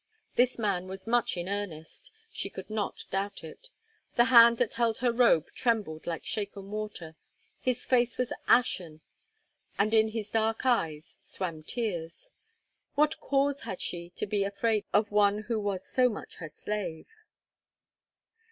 This man was much in earnest; she could not doubt it. The hand that held her robe trembled like shaken water, his face was ashen, and in his dark eyes swam tears. What cause had she to be afraid of one who was so much her slave?